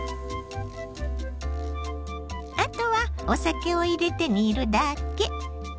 あとはお酒を入れて煮るだけ。